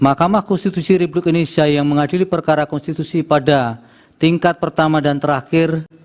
mahkamah konstitusi republik indonesia yang mengadili perkara konstitusi pada tingkat pertama dan terakhir